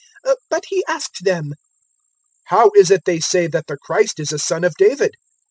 020:041 But He asked them, "How is it they say that the Christ is a son of David?